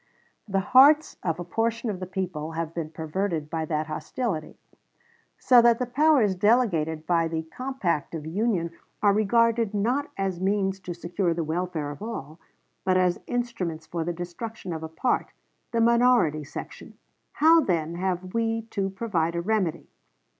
The hearts of a portion of the people have been perverted by that hostility, so that the powers delegated by the compact of union are regarded not as means to secure the welfare of all, but as instruments for the destruction of a part the minority section. How, then, have we to provide a remedy?